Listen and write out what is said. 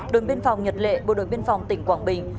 đoàn biên phòng nhật lệ bộ đoàn biên phòng tỉnh quảng bình